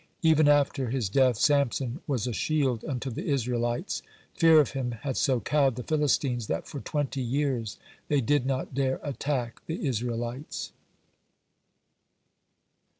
Even after his death Samson was a shield unto the Israelites. Fear of him had so cowed the Philistines that for twenty years they did not dare attack the Israelites.